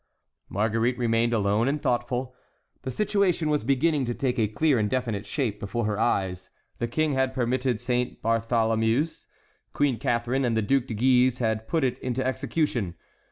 Marguerite remained alone and thoughtful; the situation was beginning to take a clear and definite shape before her eyes; the King had permitted Saint Bartholomew's, Queen Catharine and the Duc de Guise had put it into execution.